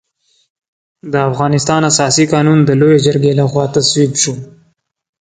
د افغانستان اساسي قانون د لويې جرګې له خوا تصویب شو.